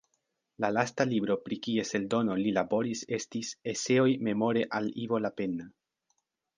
La lasta libro pri kies eldono li laboris estis "Eseoj Memore al Ivo Lapenna".